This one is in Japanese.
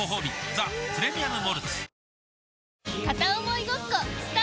「ザ・プレミアム・モルツ」